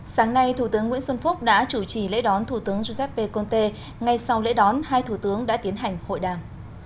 sáng nay thủ tướng nguyễn xuân phúc đã chủ trì lễ đón thủ tướng giuseppe conte ngay sau lễ đón hai thủ tướng đã tiến hành hội đàm